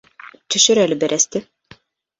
Төшөр әле бәрәсте.